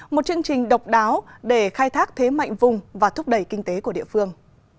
một chương trình độc đáo để khai thác thế mạnh vùng và thúc đẩy kinh tế của địa phương